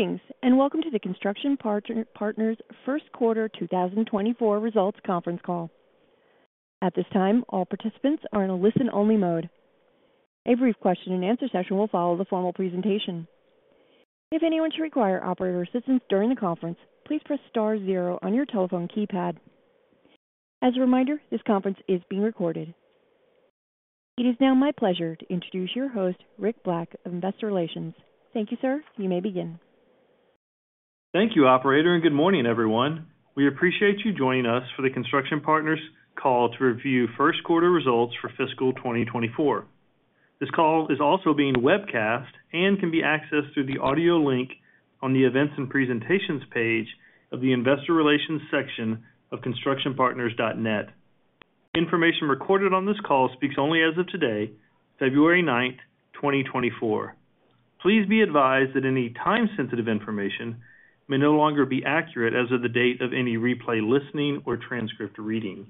Greetings and welcome to the Construction Partners Q1 2024 Results Conference Call. At this time, all participants are in a listen-only mode. A brief question-and-answer session will follow the formal presentation. If anyone should require operator assistance during the conference, please press star zero on your telephone keypad. As a reminder, this conference is being recorded. It is now my pleasure to introduce your host, Rick Black of Investor Relations. Thank you, sir. You may begin. Thank you, operator, and good morning, everyone. We appreciate you joining us for the Construction Partners Call to review Q1 Results for fiscal 2024. This call is also being webcast and can be accessed through the audio link on the Events and Presentations page of the Investor Relations section of constructionpartners.net. Information recorded on this call speaks only as of today, February 9th, 2024. Please be advised that any time-sensitive information may no longer be accurate as of the date of any replay listening or transcript reading.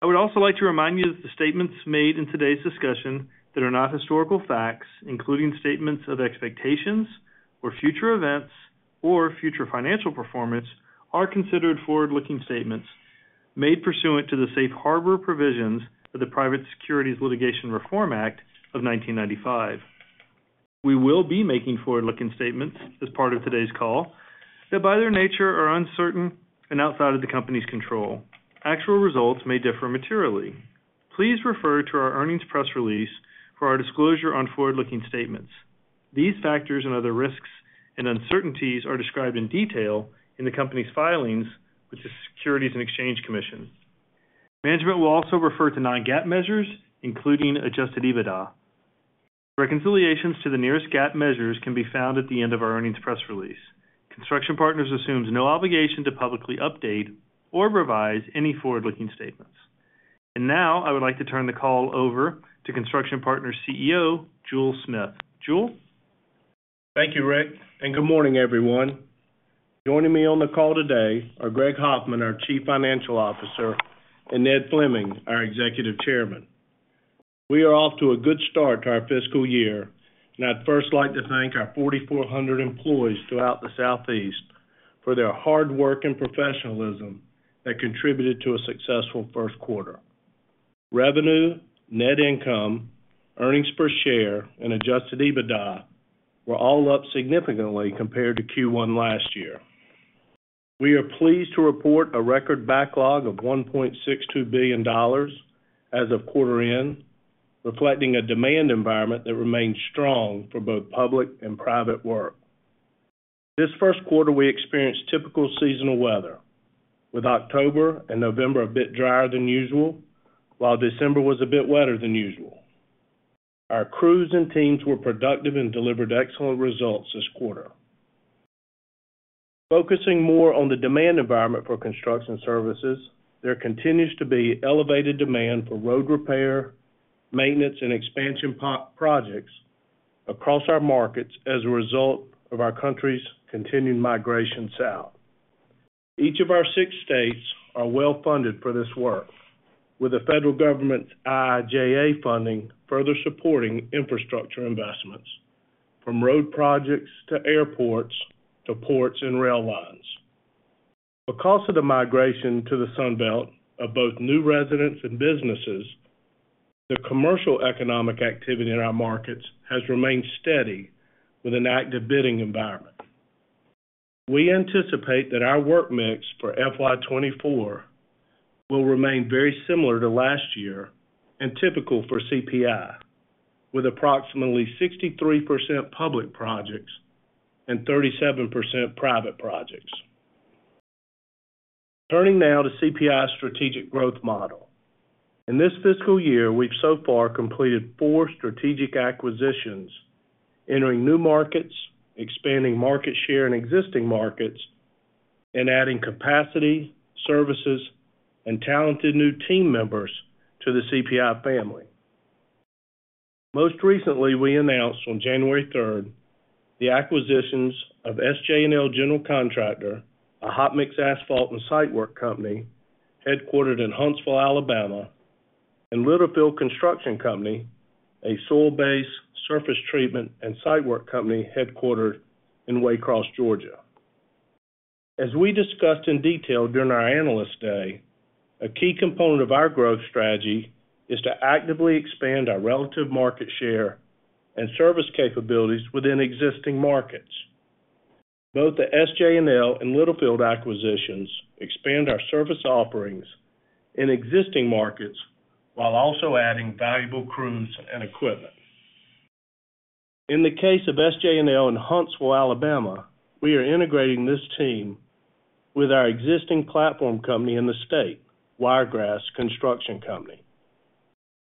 I would also like to remind you that the statements made in today's discussion that are not historical facts, including statements of expectations or future events or future financial performance, are considered forward-looking statements made pursuant to the Safe Harbor provisions of the Private Securities Litigation Reform Act of 1995. We will be making forward-looking statements as part of today's call that by their nature are uncertain and outside of the company's control. Actual results may differ materially. Please refer to our earnings press release for our disclosure on forward-looking statements. These factors and other risks and uncertainties are described in detail in the company's filings with the Securities and Exchange Commission. Management will also refer to non-GAAP measures, including Adjusted EBITDA. Reconciliations to the nearest GAAP measures can be found at the end of our earnings press release. Construction Partners assumes no obligation to publicly update or revise any forward-looking statements. Now I would like to turn the call over to Construction Partners CEO, Jule Smith. Jule? Thank you, Rick, and good morning, everyone. Joining me on the call today are Greg Hoffman, our Chief Financial Officer, and Ned Fleming, our Executive Chairman. We are off to a good start to our fiscal year, and I'd first like to thank our 4,400 employees throughout the Southeast for their hard work and professionalism that contributed to a successful Q1. Revenue, net income, earnings per share, and Adjusted EBITDA were all up significantly compared to Q1 last year. We are pleased to report a record backlog of $1.62 billion as of quarter end, reflecting a demand environment that remains strong for both public and private work. This Q1, we experienced typical seasonal weather, with October and November a bit drier than usual, while December was a bit wetter than usual. Our crews and teams were productive and delivered excellent results this quarter. Focusing more on the demand environment for construction services, there continues to be elevated demand for road repair, maintenance, and expansion projects across our markets as a result of our country's continued migration south. Each of our six states are well-funded for this work, with the federal government's IIJA funding further supporting infrastructure investments, from road projects to airports to ports and rail lines. Because of the migration to the Sunbelt of both new residents and businesses, the commercial economic activity in our markets has remained steady with an active bidding environment. We anticipate that our work mix for FY2024 will remain very similar to last year and typical for CPI, with approximately 63% public projects and 37% private projects. Turning now to CPI's strategic growth model. In this fiscal year, we've so far completed four strategic acquisitions, entering new markets, expanding market share in existing markets, and adding capacity, services, and talented new team members to the CPI family. Most recently, we announced on January 3rd the acquisitions of SJ&L General Contractor, a hot mix asphalt and site work company headquartered in Huntsville, Alabama, and Littlefield Construction Company, a soil-based surface treatment and site work company headquartered in Waycross, Georgia. As we discussed in detail during our analyst day, a key component of our growth strategy is to actively expand our relative market share and service capabilities within existing markets. Both the SJ&L and Littlefield acquisitions expand our service offerings in existing markets while also adding valuable crews and equipment. In the case of SJ&L in Huntsville, Alabama, we are integrating this team with our existing platform company in the state, Wiregrass Construction Company.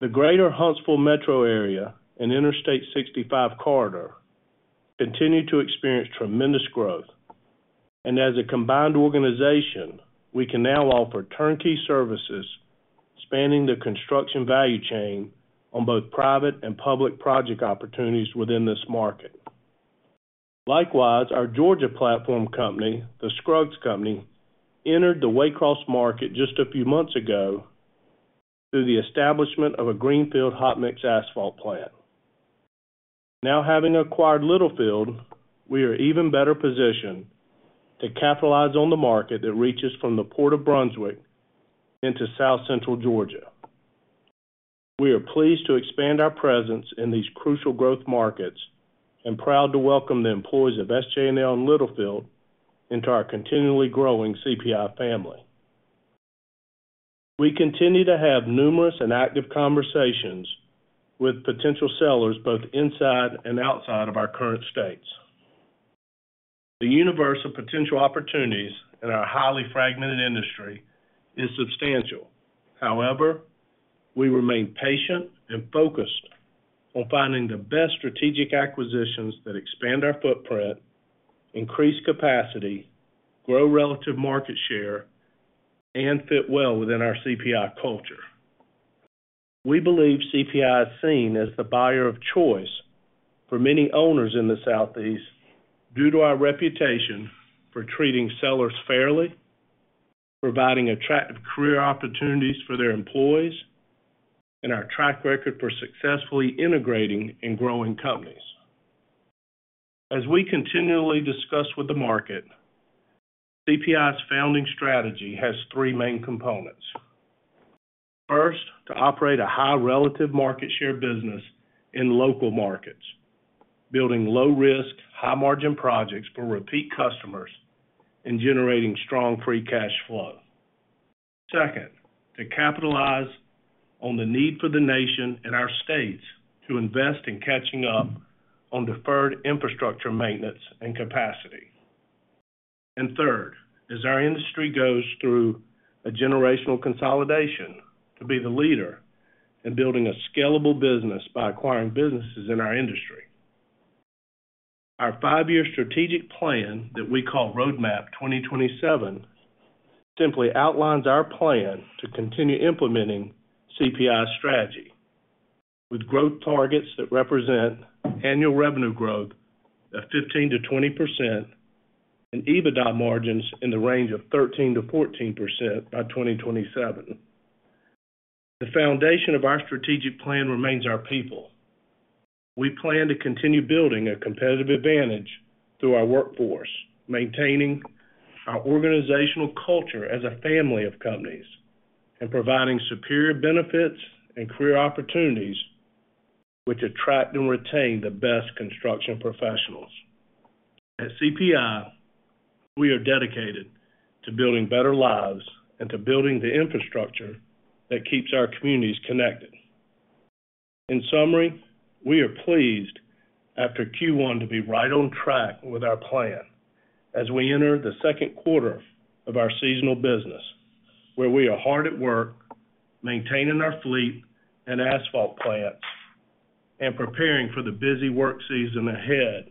The greater Huntsville Metro area and Interstate 65 corridor continue to experience tremendous growth, and as a combined organization, we can now offer turnkey services spanning the construction value chain on both private and public project opportunities within this market. Likewise, our Georgia platform company, The Scruggs Company, entered the Waycross market just a few months ago through the establishment of a Greenfield hot mix asphalt plant. Now having acquired Littlefield, we are even better positioned to capitalize on the market that reaches from the Port of Brunswick into South Central Georgia. We are pleased to expand our presence in these crucial growth markets and proud to welcome the employees of SJ&L and Littlefield into our continually growing CPI family. We continue to have numerous and active conversations with potential sellers both inside and outside of our current states. The universe of potential opportunities in our highly fragmented industry is substantial. However, we remain patient and focused on finding the best strategic acquisitions that expand our footprint, increase capacity, grow relative market share, and fit well within our CPI culture. We believe CPI is seen as the buyer of choice for many owners in the Southeast due to our reputation for treating sellers fairly, providing attractive career opportunities for their employees, and our track record for successfully integrating and growing companies. As we continually discuss with the market, CPI's founding strategy has three main components. First, to operate a high relative market share business in local markets, building low-risk, high-margin projects for repeat customers, and generating strong free cash flow. Second, to capitalize on the need for the nation and our states to invest in catching up on deferred infrastructure maintenance and capacity. Third, as our industry goes through a generational consolidation, to be the leader in building a scalable business by acquiring businesses in our industry. Our five-year strategic plan that we call Roadmap 2027 simply outlines our plan to continue implementing CPI strategy, with growth targets that represent annual revenue growth of 15%-20% and EBITDA margins in the range of 13%-14% by 2027. The foundation of our strategic plan remains our people. We plan to continue building a competitive advantage through our workforce, maintaining our organizational culture as a family of companies, and providing superior benefits and career opportunities which attract and retain the best construction professionals. At CPI, we are dedicated to building better lives and to building the infrastructure that keeps our communities connected. In summary, we are pleased after Q1 to be right on track with our plan as we enter the Q2 of our seasonal business, where we are hard at work maintaining our fleet and asphalt plants and preparing for the busy work season ahead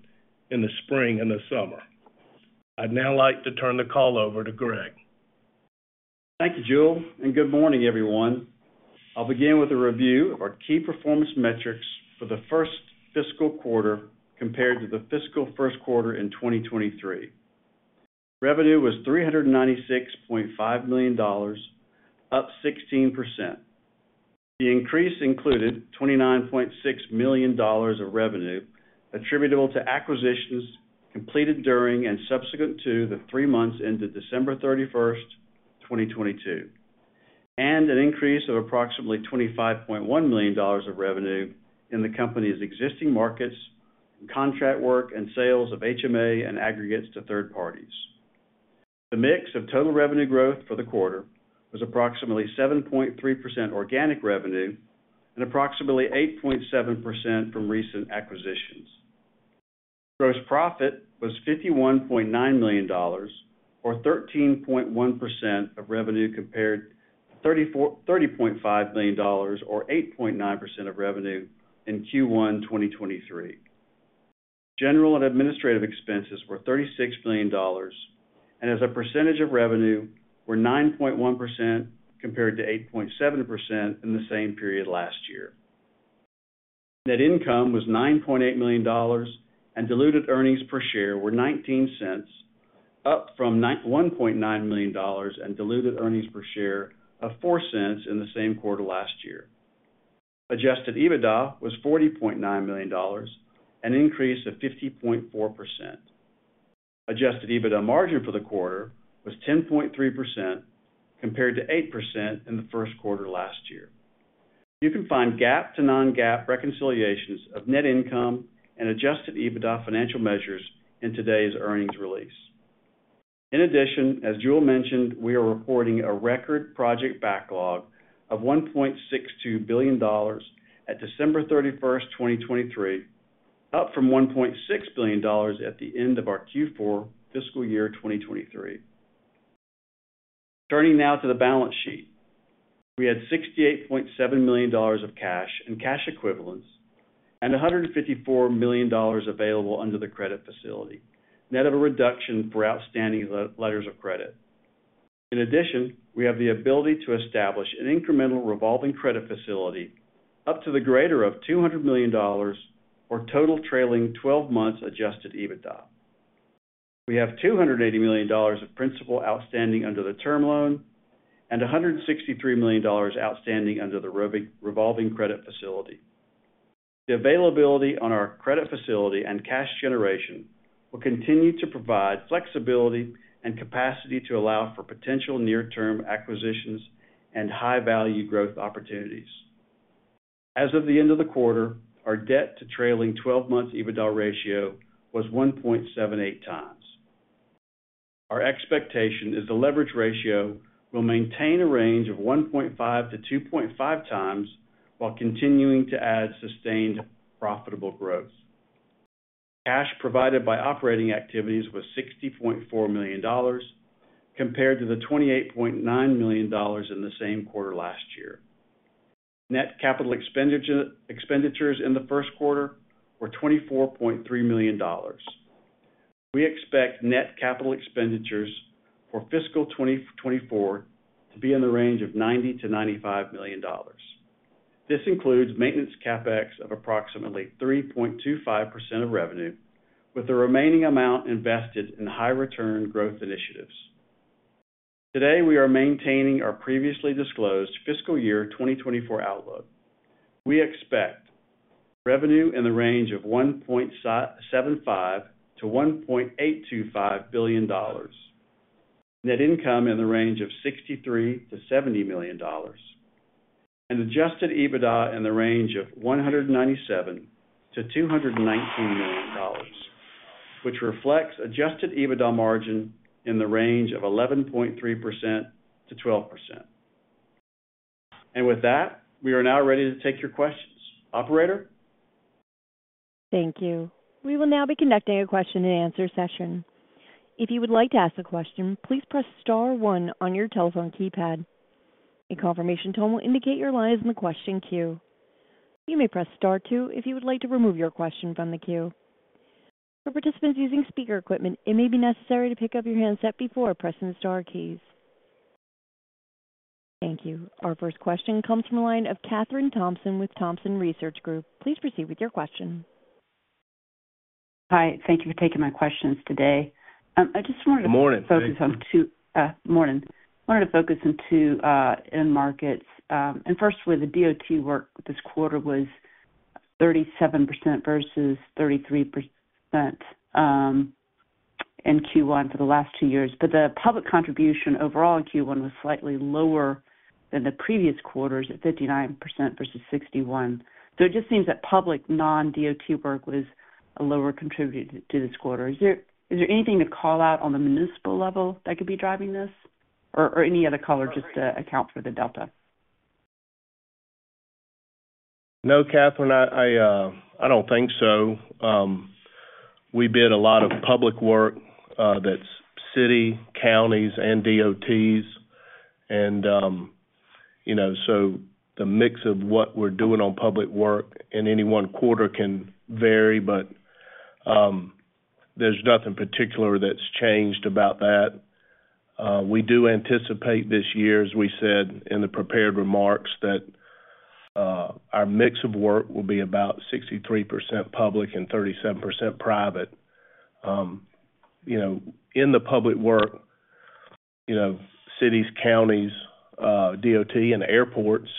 in the spring and the summer. I'd now like to turn the call over to Greg. Thank you, Jule, and good morning, everyone. I'll begin with a review of our key performance metrics for the first fiscal quarter compared to the fiscal Q1 in 2023. Revenue was $396.5 million, up 16%. The increase included $29.6 million of revenue attributable to acquisitions completed during and subsequent to the three months into December 31st, 2022, and an increase of approximately $25.1 million of revenue in the company's existing markets, contract work, and sales of HMA and aggregates to third parties. The mix of total revenue growth for the quarter was approximately 7.3% organic revenue and approximately 8.7% from recent acquisitions. Gross profit was $51.9 million, or 13.1% of revenue compared to $30.5 million, or 8.9% of revenue in Q1 2023. General and administrative expenses were $36 million, and as a percentage of revenue, were 9.1% compared to 8.7% in the same period last year. Net income was $9.8 million, and diluted earnings per share were $0.19, up from $1.9 million and diluted earnings per share of $0.04 in the same quarter last year. Adjusted EBITDA was $40.9 million, an increase of 50.4%. Adjusted EBITDA margin for the quarter was 10.3% compared to 8% in the Q1 last year. You can find GAAP to non-GAAP reconciliations of net income and adjusted EBITDA financial measures in today's earnings release. In addition, as Jule mentioned, we are reporting a record project backlog of $1.62 billion at December 31st, 2023, up from $1.6 billion at the end of our Q4 fiscal year 2023. Turning now to the balance sheet. We had $68.7 million of cash and cash equivalents and $154 million available under the credit facility, net of a reduction for outstanding letters of credit. In addition, we have the ability to establish an incremental revolving credit facility up to the greater of $200 million, or total trailing 12-month Adjusted EBITDA. We have $280 million of principal outstanding under the term loan and $163 million outstanding under the revolving credit facility. The availability on our credit facility and cash generation will continue to provide flexibility and capacity to allow for potential near-term acquisitions and high-value growth opportunities. As of the end of the quarter, our debt to trailing 12-month EBITDA ratio was 1.78 times. Our expectation is the leverage ratio will maintain a range of 1.5-2.5 times while continuing to add sustained profitable growth. Cash provided by operating activities was $60.4 million compared to the $28.9 million in the same quarter last year. Net capital expenditures in the Q1 were $24.3 million. We expect net capital expenditures for fiscal 2024 to be in the range of $90-$95 million. This includes maintenance CapEx of approximately 3.25% of revenue, with the remaining amount invested in high-return growth initiatives. Today, we are maintaining our previously disclosed fiscal year 2024 outlook. We expect revenue in the range of $1.75-$1.825 billion, net income in the range of $63-$70 million, and Adjusted EBITDA in the range of $197-$219 million, which reflects Adjusted EBITDA margin in the range of 11.3%-12%. And with that, we are now ready to take your questions. Operator? Thank you. We will now be conducting a question-and-answer session. If you would like to ask a question, please press star 1 on your telephone keypad. A confirmation tone will indicate your line is in the question queue. You may press star 2 if you would like to remove your question from the queue. For participants using speaker equipment, it may be necessary to pick up your handset before pressing the star keys. Thank you. Our first question comes from a line of Kathryn Thompson with Thompson Research Group. Please proceed with your question. Hi. Thank you for taking my questions today. I just wanted to. Good morning. Focus on tomorrow. I wanted to focus on two end markets. First, with the DOT work, this quarter was 37% versus 33% in Q1 for the last two years. The public contribution overall in Q1 was slightly lower than the previous quarters at 59% versus 61%. It just seems that public non-DOT work was a lower contributor to this quarter. Is there anything to call out on the municipal level that could be driving this, or any other color just to account for the delta? No, Kathryn. I don't think so. We bid a lot of public work that's city, counties, and DOTs. And so the mix of what we're doing on public work in any one quarter can vary, but there's nothing particular that's changed about that. We do anticipate this year, as we said in the prepared remarks, that our mix of work will be about 63% public and 37% private. In the public work, cities, counties, DOT, and airports,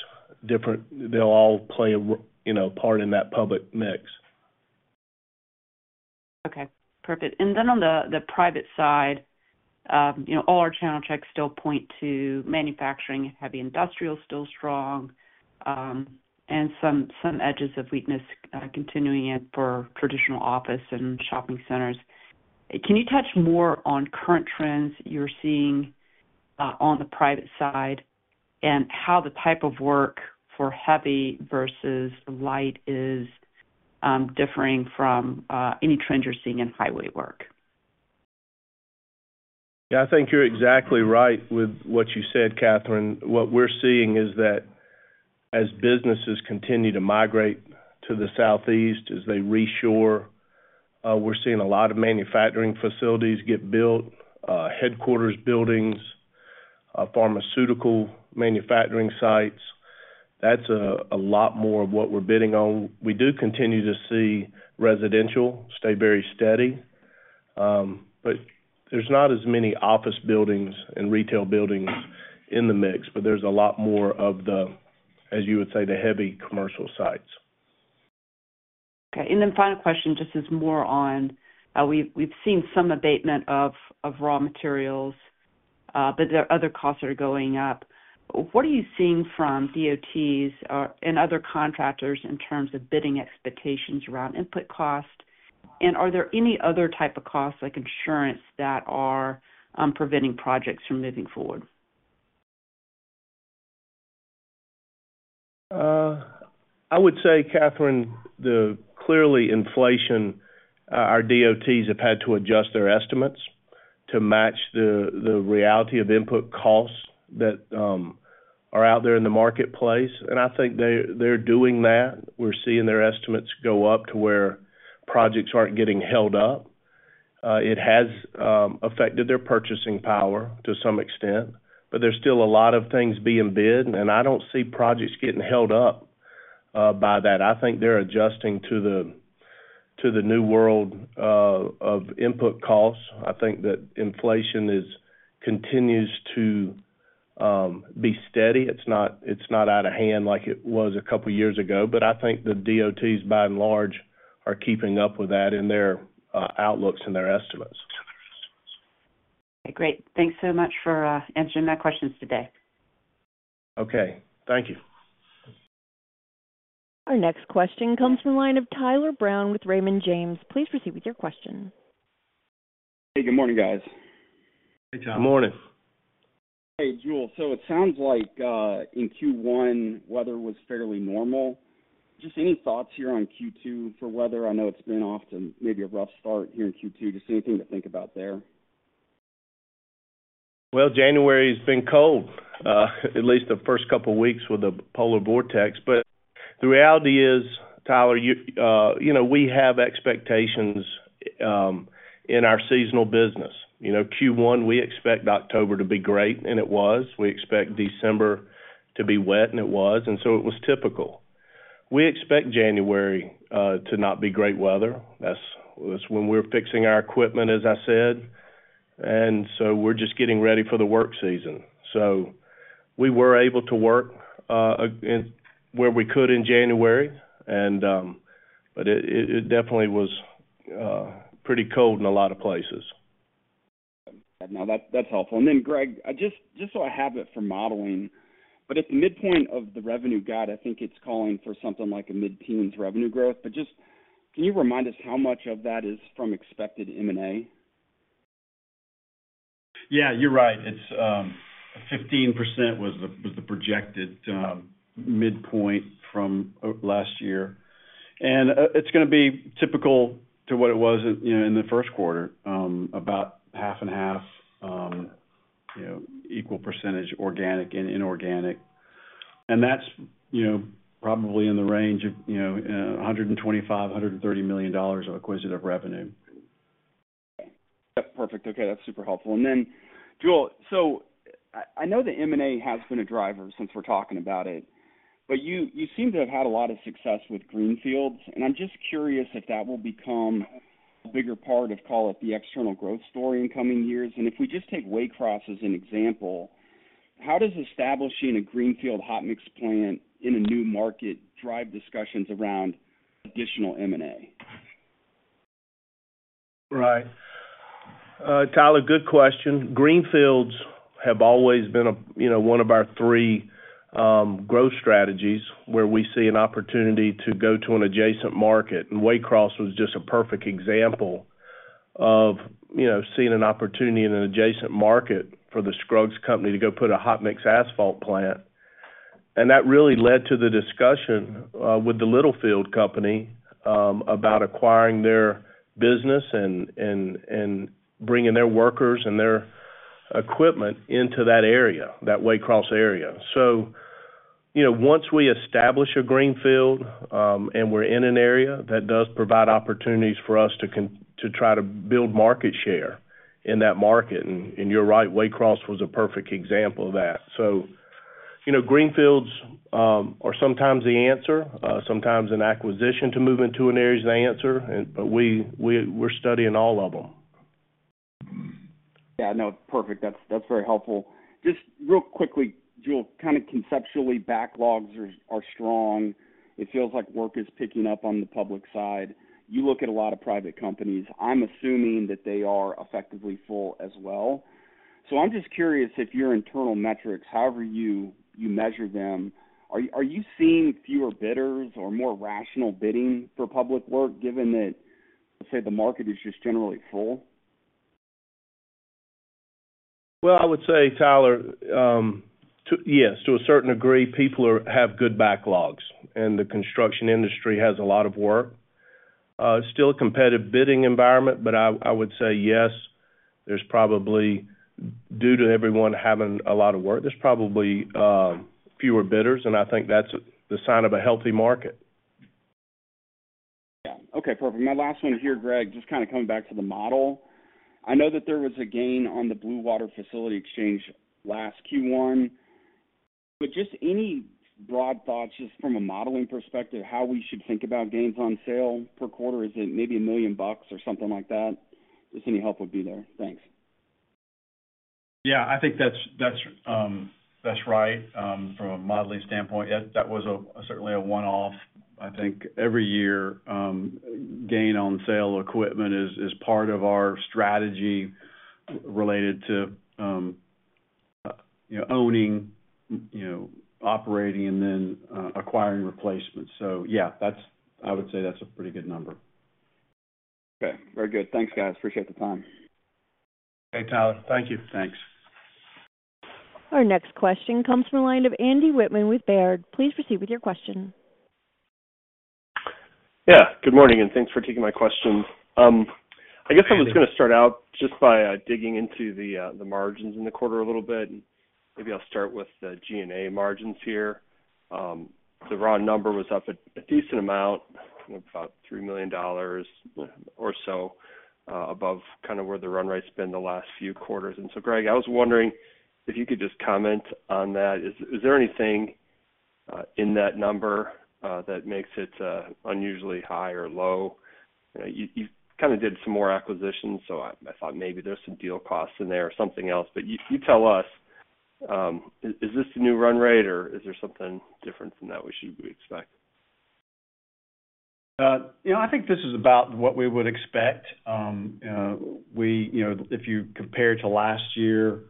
they'll all play a part in that public mix. Okay. Perfect. And then on the private side, all our channel checks still point to manufacturing, heavy industrial still strong, and some edges of weakness continuing in for traditional office and shopping centers. Can you touch more on current trends you're seeing on the private side and how the type of work for heavy versus light is differing from any trends you're seeing in highway work? Yeah. I think you're exactly right with what you said, Katherine. What we're seeing is that as businesses continue to migrate to the Southeast, as they reshore, we're seeing a lot of manufacturing facilities get built, headquarters buildings, pharmaceutical manufacturing sites. That's a lot more of what we're bidding on. We do continue to see residential stay very steady, but there's not as many office buildings and retail buildings in the mix. But there's a lot more of the, as you would say, the heavy commercial sites. Okay. And then final question, just some more on we've seen some abatement of raw materials, but there are other costs that are going up. What are you seeing from DOTs and other contractors in terms of bidding expectations around input cost? And are there any other type of costs, like insurance, that are preventing projects from moving forward? I would say, Kathryn, clearly, inflation, our DOTs have had to adjust their estimates to match the reality of input costs that are out there in the marketplace. I think they're doing that. We're seeing their estimates go up to where projects aren't getting held up. It has affected their purchasing power to some extent, but there's still a lot of things being bid. I don't see projects getting held up by that. I think they're adjusting to the new world of input costs. I think that inflation continues to be steady. It's not out of hand like it was a couple of years ago. I think the DOTs, by and large, are keeping up with that in their outlooks and their estimates. Okay. Great. Thanks so much for answering my questions today. Okay. Thank you. Our next question comes from a line of Tyler Brown with Raymond James. Please proceed with your question. Hey. Good morning, guys. Hey, Tom. Good morning. Hey, Jule. So it sounds like in Q1, weather was fairly normal. Just any thoughts here on Q2 for weather? I know it's been off to maybe a rough start here in Q2. Just anything to think about there. Well, January's been cold, at least the first couple of weeks with the polar vortex. But the reality is, Tyler, we have expectations in our seasonal business. Q1, we expect October to be great, and it was. We expect December to be wet, and it was. And so it was typical. We expect January to not be great weather. That's when we're fixing our equipment, as I said. And so we're just getting ready for the work season. So we were able to work where we could in January, but it definitely was pretty cold in a lot of places. Okay. No, that's helpful. And then, Greg, just so I have it for modeling, but at the midpoint of the revenue guide, I think it's calling for something like a mid-teens revenue growth. But just can you remind us how much of that is from expected M&A? Yeah. You're right. 15% was the projected midpoint from last year. And it's going to be typical to what it was in the Q1, about half-and-half, equal percentage organic and inorganic. And that's probably in the range of $125-$130 million of acquisitive revenue. Okay. Yep. Perfect. Okay. That's super helpful. And then, Jule, so I know the M&A has been a driver since we're talking about it, but you seem to have had a lot of success with greenfields. And I'm just curious if that will become a bigger part of, call it, the external growth story in coming years. And if we just take Waycross as an example, how does establishing a greenfield hot mix plant in a new market drive discussions around additional M&A? Right. Tyler, good question. Greenfields have always been one of our three growth strategies where we see an opportunity to go to an adjacent market. Waycross was just a perfect example of seeing an opportunity in an adjacent market for the Scruggs Company to go put a hot-mix asphalt plant. And that really led to the discussion with the Littlefield Company about acquiring their business and bringing their workers and their equipment into that area, that Waycross area. So once we establish a greenfield and we're in an area that does provide opportunities for us to try to build market share in that market and you're right, Waycross was a perfect example of that. Greenfields are sometimes the answer, sometimes an acquisition to move into an area is the answer, but we're studying all of them. Yeah. No. Perfect. That's very helpful. Just real quickly, Jule, kind of conceptually, backlogs are strong. It feels like work is picking up on the public side. You look at a lot of private companies. I'm assuming that they are effectively full as well. So I'm just curious if your internal metrics, however you measure them, are you seeing fewer bidders or more rational bidding for public work given that, let's say, the market is just generally full? Well, I would say, Tyler, yes, to a certain degree, people have good backlogs, and the construction industry has a lot of work. Still a competitive bidding environment, but I would say yes. Due to everyone having a lot of work, there's probably fewer bidders, and I think that's the sign of a healthy market. Yeah. Okay. Perfect. My last one here, Greg, just kind of coming back to the model. I know that there was a gain on the Bluewater Facility Exchange last Q1. But just any broad thoughts, just from a modeling perspective, how we should think about gains on sale per quarter? Is it maybe $1 million or something like that? Just any help would be there. Thanks. Yeah. I think that's right from a modeling standpoint. That was certainly a one-off. I think every year, gain on sale equipment is part of our strategy related to owning, operating, and then acquiring replacements. So yeah, I would say that's a pretty good number. Okay. Very good. Thanks, guys. Appreciate the time. Hey, Tyler. Thank you. Thanks. Our next question comes from a line of Andy Wittmann with Baird. Please proceed with your question. Yeah. Good morning, and thanks for taking my question. I guess I was going to start out just by digging into the margins in the quarter a little bit. Maybe I'll start with the G&A margins here. The raw number was up a decent amount, about $3 million or so above kind of where the run rates have been the last few quarters. So, Greg, I was wondering if you could just comment on that. Is there anything in that number that makes it unusually high or low? You kind of did some more acquisitions, so I thought maybe there's some deal costs in there or something else. But you tell us. Is this the new run rate, or is there something different from that we should expect? I think this is about what we would expect. If you compare to last year,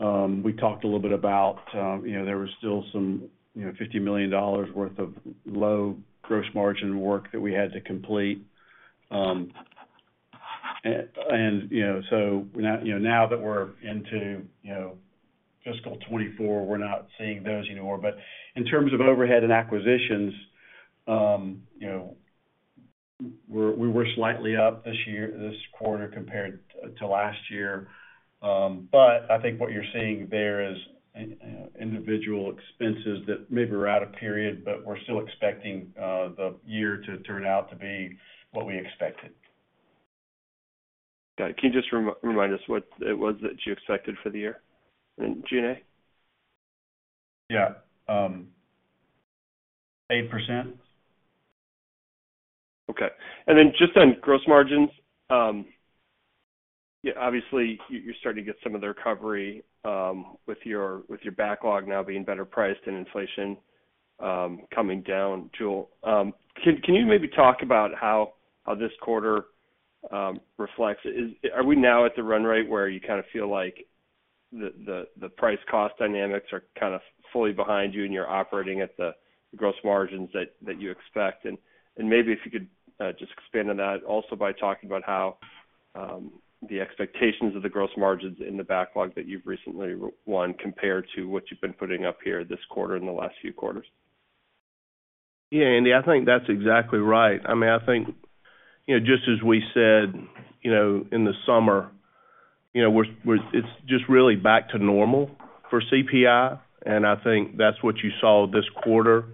we talked a little bit about there was still some $50 million worth of low gross margin work that we had to complete. So now that we're into fiscal 2024, we're not seeing those anymore. But in terms of overhead and acquisitions, we were slightly up this quarter compared to last year. But I think what you're seeing there is individual expenses that maybe we're out of period, but we're still expecting the year to turn out to be what we expected. Got it. Can you just remind us what it was that you expected for the year in G&A? Yeah. 8%. Okay. Then, just on gross margins, yeah, obviously, you're starting to get some of the recovery with your backlog now being better priced and inflation coming down, Jule. Can you maybe talk about how this quarter reflects? Are we now at the run rate where you kind of feel like the price-cost dynamics are kind of fully behind you and you're operating at the gross margins that you expect? And maybe if you could just expand on that also by talking about how the expectations of the gross margins in the backlog that you've recently won compare to what you've been putting up here this quarter in the last few quarters. Yeah, Andy. I think that's exactly right. I mean, I think just as we said in the summer, it's just really back to normal for CPI. And I think that's what you saw this quarter.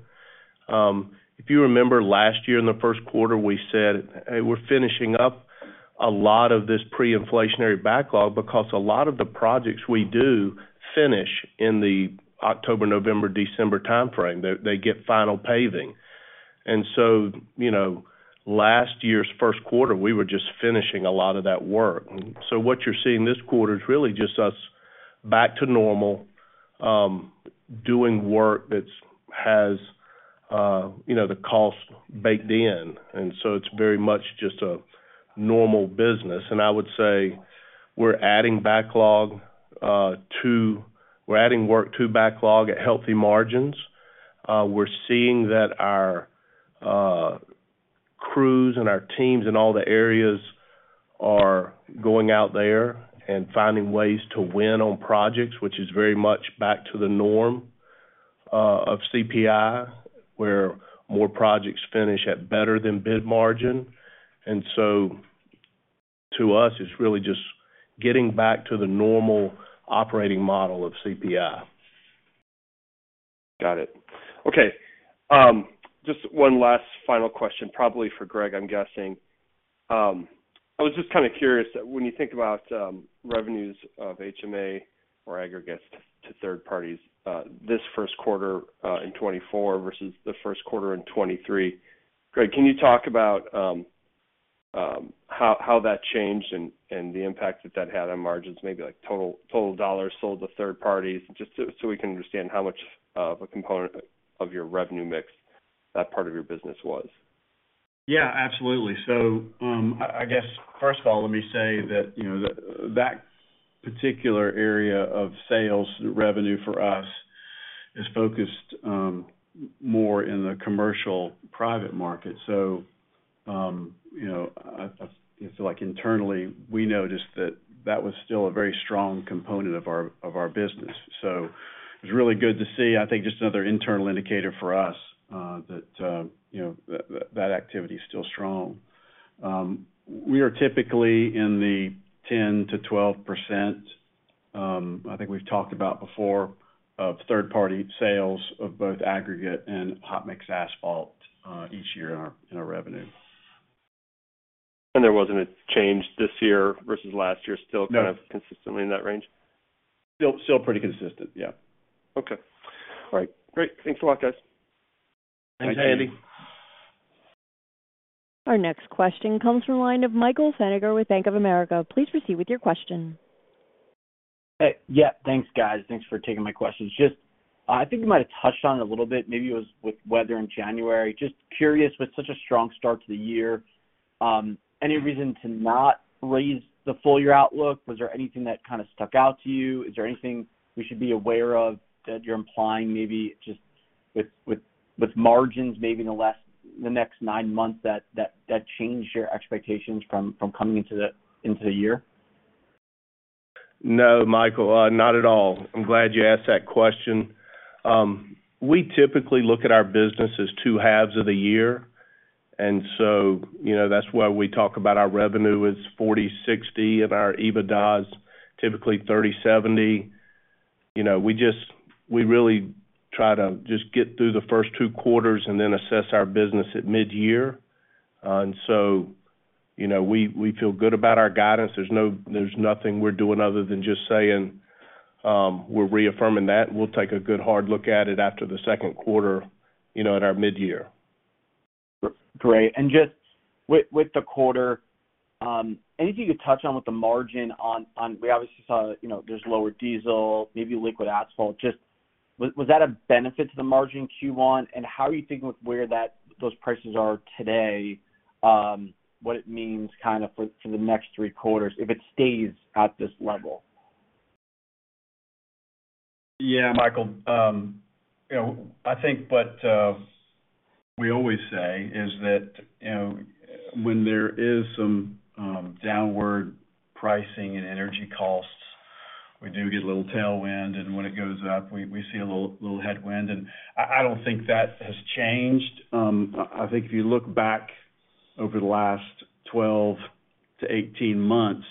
If you remember last year, in the Q1, we said, "Hey, we're finishing up a lot of this pre-inflationary backlog because a lot of the projects we do finish in the October, November, December timeframe. They get final paving." And so last year's Q1, we were just finishing a lot of that work. So what you're seeing this quarter is really just us back to normal, doing work that has the cost baked in. And so it's very much just a normal business. And I would say we're adding work to backlog at healthy margins. We're seeing that our crews and our teams in all the areas are going out there and finding ways to win on projects, which is very much back to the norm of CPI, where more projects finish at better than bid margin. And so to us, it's really just getting back to the normal operating model of CPI. Got it. Okay. Just one last final question, probably for Greg, I'm guessing. I was just kind of curious, when you think about revenues of HMA or aggregates to third parties, this Q1 in 2024 versus the Q1 in 2023, Greg, can you talk about how that changed and the impact that that had on margins, maybe total dollars sold to third parties, just so we can understand how much of a component of your revenue mix that part of your business was? Yeah. Absolutely. So I guess, first of all, let me say that that particular area of sales revenue for us is focused more in the commercial private market. So I feel like internally, we noticed that that was still a very strong component of our business. So it was really good to see, I think, just another internal indicator for us that that activity is still strong. We are typically in the 10%-12%, I think we've talked about before, of third-party sales of both aggregate and hot mix asphalt each year in our revenue. There wasn't a change this year versus last year, still kind of consistently in that range? Still pretty consistent. Yeah. Okay. All right. Great. Thanks a lot, guys. Thanks, Andy. Our next question comes from a line of Michael Feniger with Bank of America. Please proceed with your question. Yeah. Thanks, guys. Thanks for taking my questions. I think you might have touched on it a little bit. Maybe it was with weather in January. Just curious, with such a strong start to the year, any reason to not raise the full-year outlook? Was there anything that kind of stuck out to you? Is there anything we should be aware of that you're implying, maybe just with margins, maybe in the next nine months, that changed your expectations from coming into the year? No, Michael, not at all. I'm glad you asked that question. We typically look at our business as two halves of the year. And so that's why we talk about our revenue as 40/60 and our EBITDAs typically 30/70. We really try to just get through the first two quarters and then assess our business at mid-year. And so we feel good about our guidance. There's nothing we're doing other than just saying we're reaffirming that, and we'll take a good hard look at it after the Q2 at our mid-year. Great. And just with the quarter, anything you could touch on with the margin? And we obviously saw there's lower diesel, maybe liquid asphalt. Was that a benefit to the margin Q1? And how are you thinking with where those prices are today, what it means kind of for the next three quarters if it stays at this level? Yeah, Michael, I think what we always say is that when there is some downward pricing and energy costs, we do get a little tailwind. When it goes up, we see a little headwind. I don't think that has changed. I think if you look back over the last 12-18 months,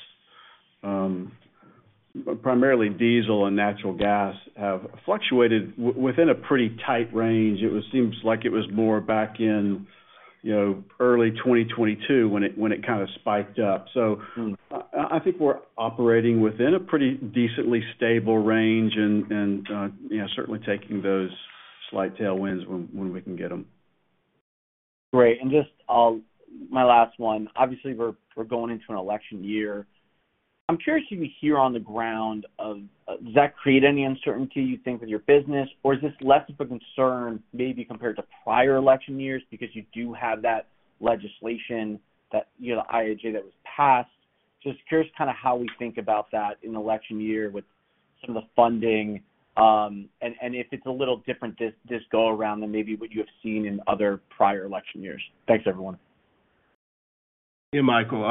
primarily diesel and natural gas have fluctuated within a pretty tight range. It seems like it was more back in early 2022 when it kind of spiked up. So I think we're operating within a pretty decently stable range and certainly taking those slight tailwinds when we can get them. Great. And just my last one. Obviously, we're going into an election year. I'm curious if you could hear on the ground of does that create any uncertainty, you think, with your business? Or is this less of a concern maybe compared to prior election years because you do have that legislation, the IIJA that was passed? Just curious kind of how we think about that in election year with some of the funding and if it's a little different this go-around than maybe what you have seen in other prior election years. Thanks, everyone. Yeah, Michael.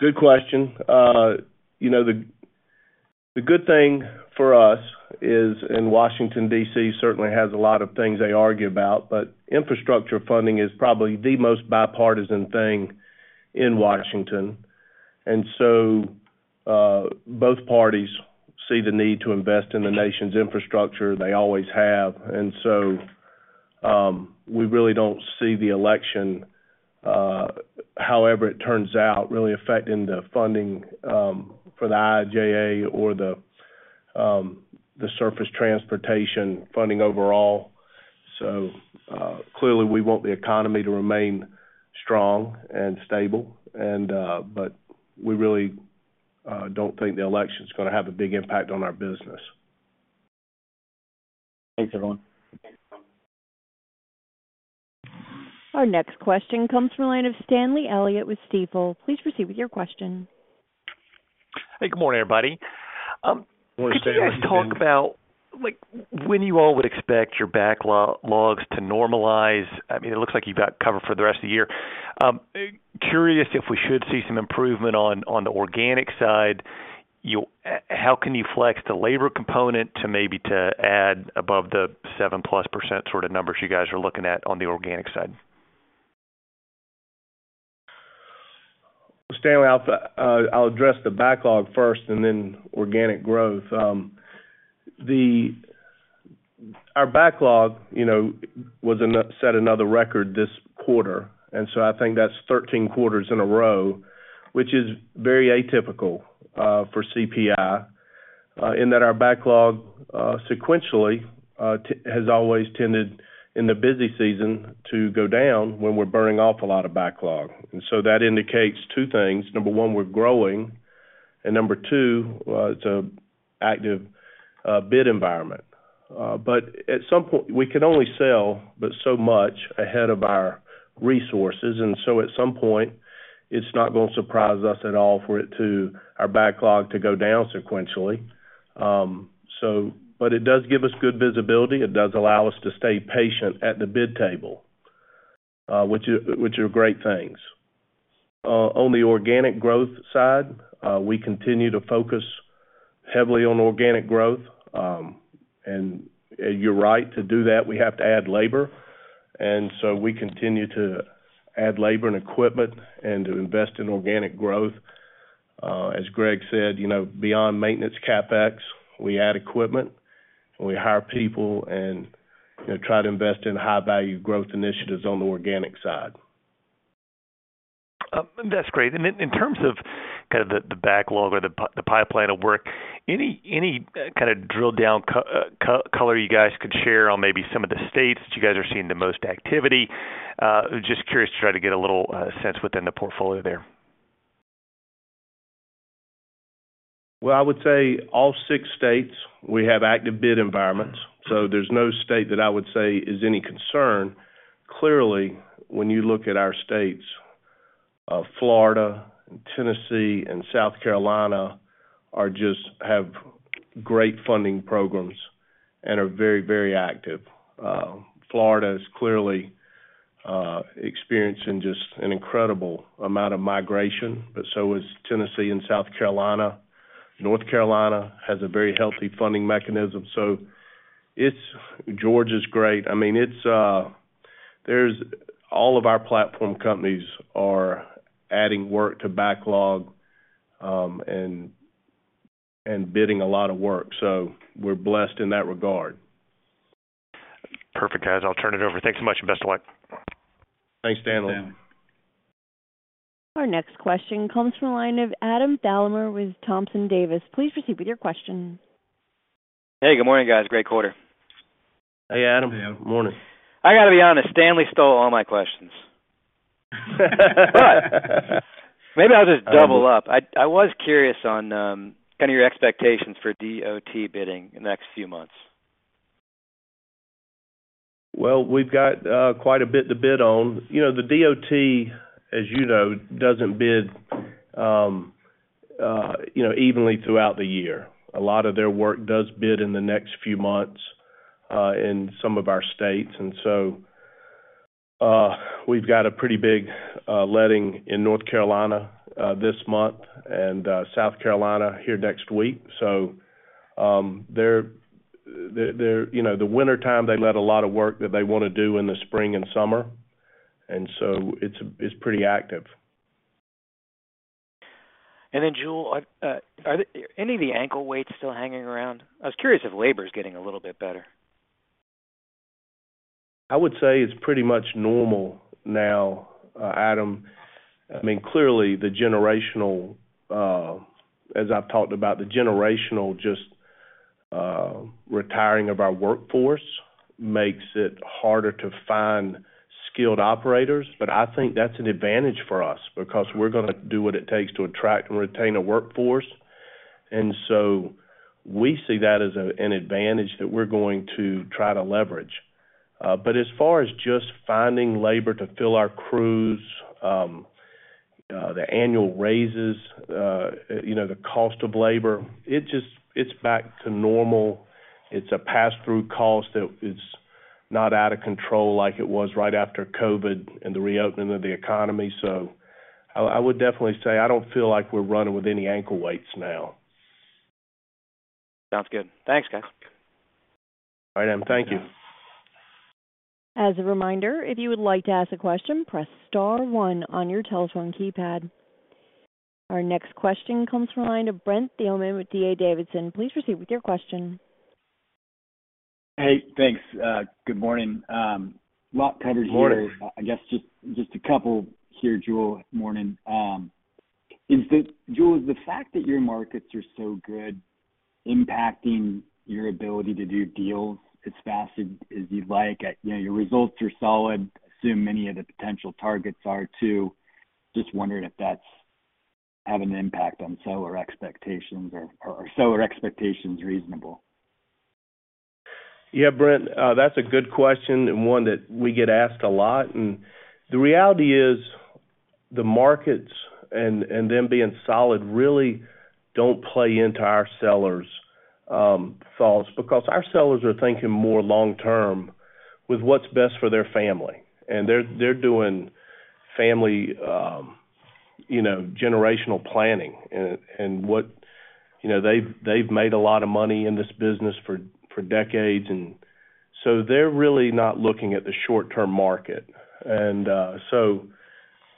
Good question. The good thing for us is in Washington, D.C., certainly has a lot of things they argue about, but infrastructure funding is probably the most bipartisan thing in Washington. And so both parties see the need to invest in the nation's infrastructure. They always have. And so we really don't see the election, however it turns out, really affecting the funding for the IIJA or the surface transportation funding overall. So clearly, we want the economy to remain strong and stable. But we really don't think the election is going to have a big impact on our business. Thanks, everyone. Our next question comes from a line of Stanley Elliott with Stifel. Please proceed with your question. Hey, good morning, everybody. Could you just talk about when you all would expect your backlogs to normalize? I mean, it looks like you've got cover for the rest of the year. Curious if we should see some improvement on the organic side. How can you flex the labor component to maybe add above the 7%+ sort of numbers you guys are looking at on the organic side? Stanley, I'll address the backlog first and then organic growth. Our backlog set another record this quarter. And so I think that's 13 quarters in a row, which is very atypical for CPI in that our backlog sequentially has always tended in the busy season to go down when we're burning off a lot of backlog. And so that indicates two things. Number one, we're growing. And number two, it's an active bid environment. But at some point, we can only sell, but so much ahead of our resources. And so at some point, it's not going to surprise us at all for our backlog to go down sequentially. But it does give us good visibility. It does allow us to stay patient at the bid table, which are great things. On the organic growth side, we continue to focus heavily on organic growth. And you're right to do that. We have to add labor. So we continue to add labor and equipment and to invest in organic growth. As Greg said, beyond maintenance CapEx, we add equipment. We hire people and try to invest in high-value growth initiatives on the organic side. That's great. And then in terms of kind of the backlog or the pipeline of work, any kind of drill-down color you guys could share on maybe some of the states that you guys are seeing the most activity? Just curious to try to get a little sense within the portfolio there. Well, I would say all six states, we have active bid environments. So there's no state that I would say is any concern. Clearly, when you look at our states, Florida and Tennessee and South Carolina have great funding programs and are very, very active. Florida is clearly experiencing just an incredible amount of migration, but so is Tennessee and South Carolina. North Carolina has a very healthy funding mechanism. So Georgia is great. I mean, all of our platform companies are adding work to backlog and bidding a lot of work. So we're blessed in that regard. Perfect, guys. I'll turn it over. Thanks so much and best of luck. Thanks, Stanley. Our next question comes from a line of Adam Thalimer with Thompson Davis. Please proceed with your question. Hey, good morning, guys. Great quarter. Hey, Adam. Good morning. I got to be honest, Stanley stole all my questions. But maybe I'll just double up. I was curious on kind of your expectations for DOT bidding in the next few months. Well, we've got quite a bit to bid on. The DOT, as you know, doesn't bid evenly throughout the year. A lot of their work does bid in the next few months in some of our states. And so we've got a pretty big letting in North Carolina this month and South Carolina here next week. So the wintertime, they let a lot of work that they want to do in the spring and summer. And so it's pretty active. And then, Jule, are any of the ankle weights still hanging around? I was curious if labor is getting a little bit better. I would say it's pretty much normal now, Adam. I mean, clearly, as I've talked about, the generational just retiring of our workforce makes it harder to find skilled operators. But I think that's an advantage for us because we're going to do what it takes to attract and retain a workforce. And so we see that as an advantage that we're going to try to leverage. But as far as just finding labor to fill our crews, the annual raises, the cost of labor, it's back to normal. It's a pass-through cost that is not out of control like it was right after COVID and the reopening of the economy. So I would definitely say I don't feel like we're running with any ankle weights now. Sounds good. Thanks, guys. All right, Adam. Thank you. As a reminder, if you would like to ask a question, press star one on your telephone keypad. Our next question comes from a line of Brent Thielman with D.A. Davidson. Please proceed with your question. Hey, thanks. Good morning. A lot covered here. I guess just a couple here, Jule. Morning. Jule, is the fact that your markets are so good impacting your ability to do deals as fast as you'd like? Your results are solid. Assume many of the potential targets are too. Just wondering if that's having an impact on seller expectations or seller expectations reasonable. Yeah, Brent, that's a good question and one that we get asked a lot. The reality is the markets and them being solid really don't play into our sellers' thoughts because our sellers are thinking more long-term with what's best for their family. They're doing family generational planning. They've made a lot of money in this business for decades. So they're really not looking at the short-term market. So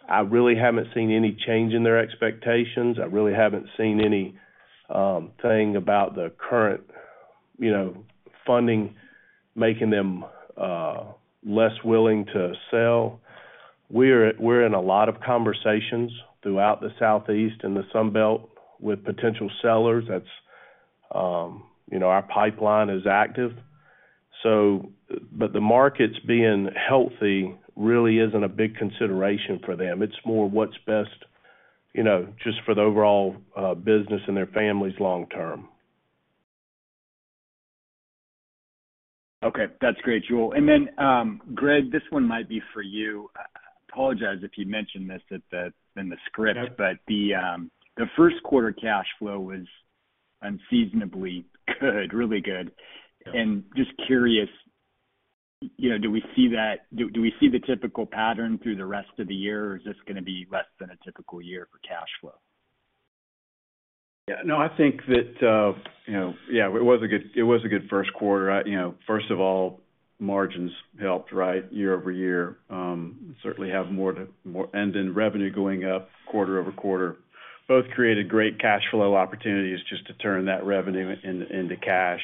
I really haven't seen any change in their expectations. I really haven't seen anything about the current funding making them less willing to sell. We're in a lot of conversations throughout the Southeast and the Sunbelt with potential sellers. Our pipeline is active. But the markets being healthy really isn't a big consideration for them. It's more what's best just for the overall business and their families long-term. Okay. That's great, Jule. And then, Greg, this one might be for you. I apologize if you mentioned this in the script, but the Q1 cash flow was unseasonably good, really good. And just curious, do we see that? Do we see the typical pattern through the rest of the year, or is this going to be less than a typical year for cash flow? Yeah. No, I think that yeah, it was a good Q1. First of all, margins helped, right, year-over-year. Certainly have more to and then revenue going up quarter-over-quarter both created great cash flow opportunities just to turn that revenue into cash.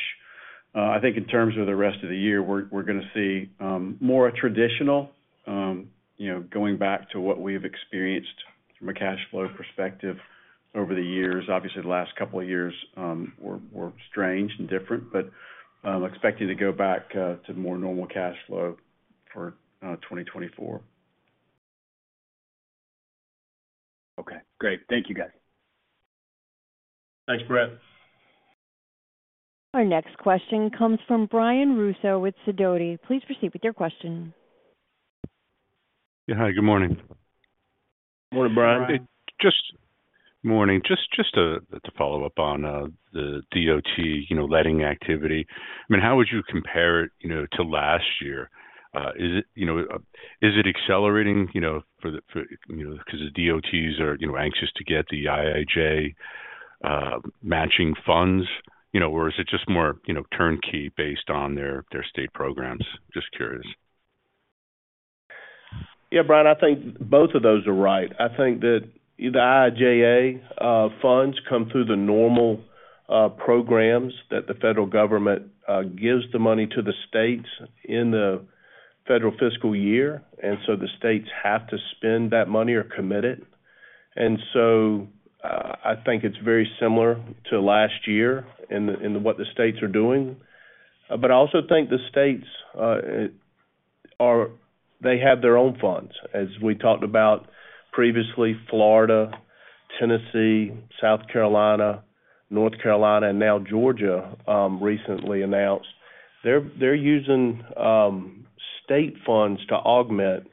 I think in terms of the rest of the year, we're going to see more traditional going back to what we've experienced from a cash flow perspective over the years. Obviously, the last couple of years were strange and different, but expecting to go back to more normal cash flow for 2024. Okay. Great. Thank you, guys. Thanks, Brent. Our next question comes from Brian Russo with Sidoti. Please proceed with your question. Yeah. Hi. Good morning. Good morning, Brian. Morning. Morning. Just to follow up on the DOT letting activity. I mean, how would you compare it to last year? Is it accelerating because the DOTs are anxious to get the IIJA matching funds, or is it just more turnkey based on their state programs? Just curious. Yeah, Brian, I think both of those are right. I think that the IIJA funds come through the normal programs that the federal government gives the money to the states in the federal fiscal year. And so the states have to spend that money or commit it. And so I think it's very similar to last year in what the states are doing. But I also think the states, they have their own funds. As we talked about previously, Florida, Tennessee, South Carolina, North Carolina, and now Georgia recently announced they're using state funds to augment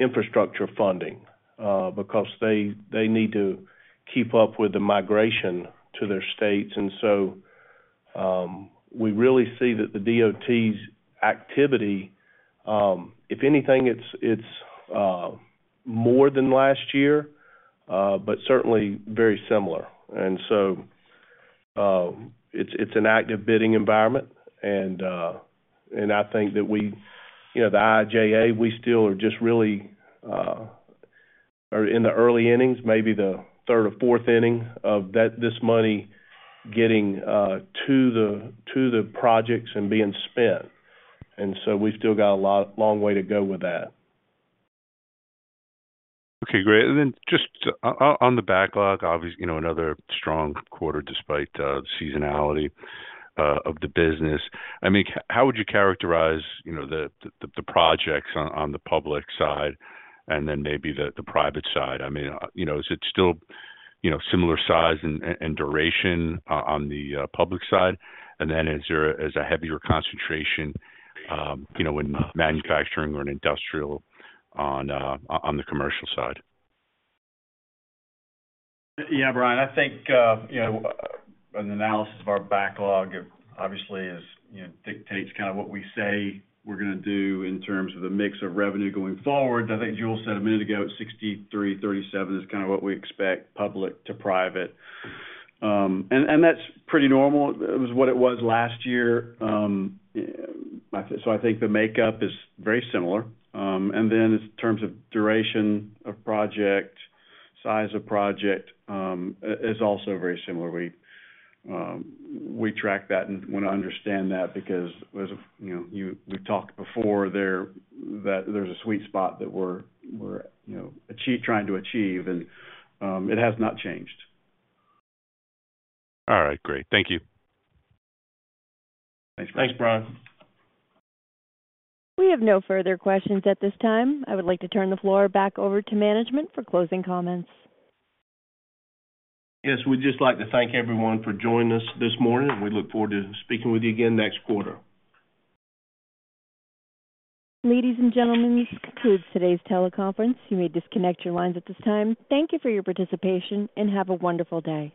infrastructure funding because they need to keep up with the migration to their states. And so we really see that the DOT's activity, if anything, it's more than last year, but certainly very similar. And so it's an active bidding environment. And I think that the IIJA, we still are just really in the early innings, maybe the third or fourth inning of this money getting to the projects and being spent. And so we've still got a long way to go with that. Okay. Great. And then just on the backlog, obviously, another strong quarter despite the seasonality of the business. I mean, how would you characterize the projects on the public side and then maybe the private side? I mean, is it still similar size and duration on the public side? And then is there a heavier concentration in manufacturing or an industrial on the commercial side? Yeah, Brian, I think an analysis of our backlog, obviously, dictates kind of what we say we're going to do in terms of the mix of revenue going forward. I think Jule said a minute ago it's 63-37 is kind of what we expect, public to private. And that's pretty normal. It was what it was last year. So I think the makeup is very similar. And then in terms of duration of project, size of project is also very similar. We track that and want to understand that because we've talked before there's a sweet spot that we're trying to achieve, and it has not changed. All right. Great. Thank you. Thanks, Brian. Thanks, Brian. We have no further questions at this time. I would like to turn the floor back over to management for closing comments. Yes. We'd just like to thank everyone for joining us this morning. We look forward to speaking with you again next quarter. Ladies and gentlemen, this concludes today's teleconference. You may disconnect your lines at this time. Thank you for your participation, and have a wonderful day.